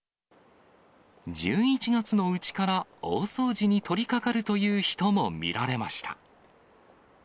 １１月のうちから大掃除に取りかかるという人も見られました。